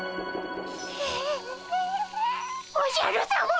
おじゃるさま。